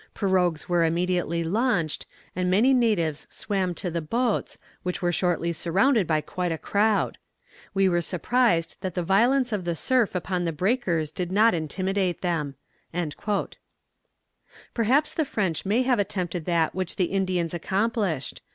Pirogues were immediately launched, and many natives swam to the boats, which were shortly surrounded by quite a crowd. We were surprised that the violence of the surf upon the breakers did not intimidate them." Perhaps the French may have attempted that which the Indians accomplished.